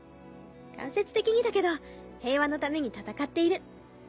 間接的にだけど平和のために戦っている。